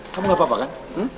kamu gak apa apa kan